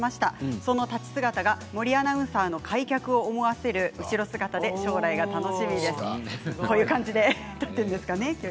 その立ち姿が森アナの開脚立ちを思わせる後ろ姿で将来が楽しみです。